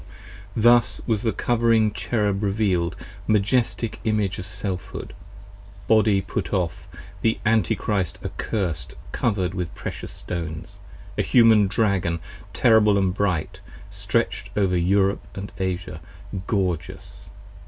Thus was the Covering Cherub reveal'd, majestic image 10 Of Selfhood, Body put off, the Antichrist accursed, Cover'd with precious stones, a "Human Dragon terrible And bright, stretch'd over Europe & Asia gorgeous.